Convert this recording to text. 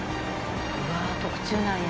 うわ特注なんや。